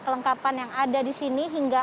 kelengkapan yang ada disini hingga